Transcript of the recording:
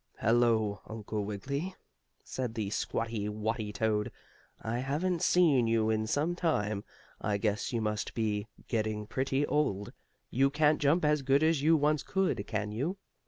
"Hello, Uncle Wiggily," said the squatty watty toad. "I haven't seen you in some time. I guess you must be getting pretty old. You can't jump as good as you once could, can you?"